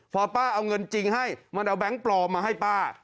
พอป้าเอาเงินจริงให้มันเอาแก๊งปลอมมาให้ป้า